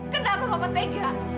kenapa papa tega